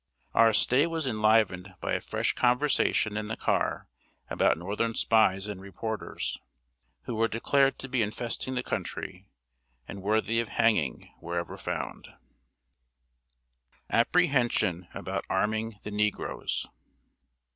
Our stay was enlivened by a fresh conversation in the car about northern spies and reporters, who were declared to be infesting the country, and worthy of hanging wherever found. [Sidenote: APPREHENSION ABOUT ARMING THE NEGROES.